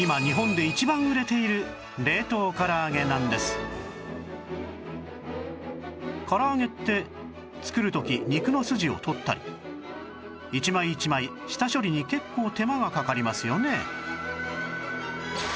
今から揚げって作る時肉の筋を取ったり一枚一枚下処理に結構手間がかかりますよね